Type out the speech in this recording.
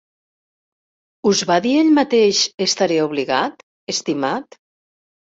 Us va dir ell mateix, estaré obligat, estimat?